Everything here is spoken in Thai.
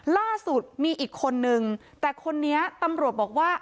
ล่าสุดมีอีกคนนึงแต่คนนี้ตำรวจบอกว่า